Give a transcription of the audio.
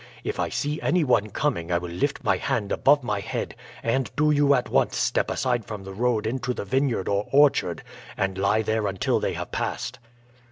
If I see any one coming I will lift my hand above my head, and do you at once step aside from the road into the vineyard or orchard, and lie there until they have passed."